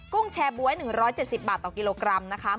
ุ้งแชร์บ๊วย๑๗๐บาทต่อกิโลกรัมนะคะ